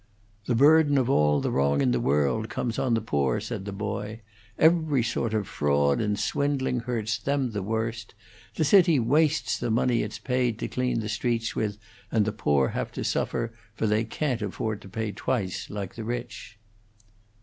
"The burden of all the wrong in the world comes on the poor," said the boy. "Every sort of fraud and swindling hurts them the worst. The city wastes the money it's paid to clean the streets with, and the poor have to suffer, for they can't afford to pay twice, like the rich."